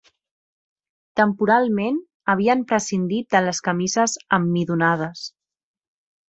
Temporalment, havien prescindit de les camises emmidonades